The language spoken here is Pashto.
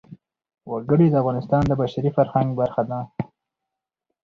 وګړي د افغانستان د بشري فرهنګ برخه ده.